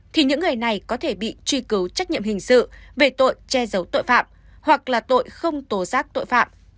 thì những người này có thể bị truy cứu trách nhiệm hình sự về tội che giấu tội phạm hoặc là tội không tố giác tội phạm